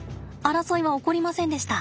争いは起こりませんでした。